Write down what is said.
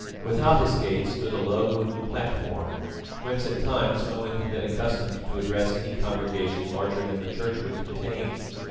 Without his gate stood a low wooden platform, whence at times Owen had been accustomed to address any congregation larger than the church would contain.